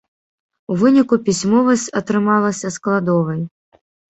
У выніку пісьмовасць атрымалася складовай.